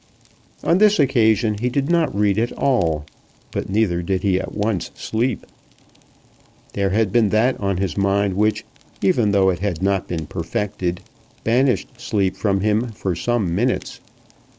On this occasion he did not read at all, but neither did he at once sleep. There had been that on his mind which, even though it had not been perfected, banished sleep from him for some minutes.